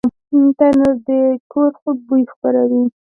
تنور د کور خوږ بوی خپروي